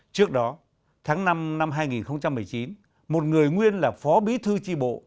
trước đó tháng năm năm hai nghìn một mươi chín một người nguyên là phó bí thư tri bộ